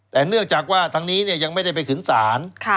แต่เนื่องจากว่าทางนี้ยังไม่ได้ไปขึ้นศาล